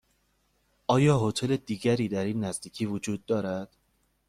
آیا هتل دیگری در این نزدیکی وجود دارد؟